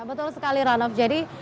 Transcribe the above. betul sekali ranof jadi